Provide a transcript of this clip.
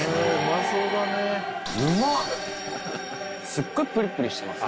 すっごいプリプリしてます